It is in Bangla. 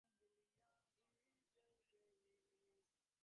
ওকে অনুসরণ করে এখানে এসেছি, কিন্তু এটা ফাঁদ ছিল।